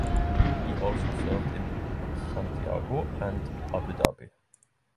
He also served in Santiago and Abu Dhabi.